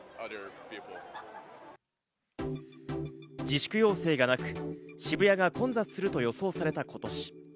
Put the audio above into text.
自粛要請がなく、渋谷が混雑すると予想された今年。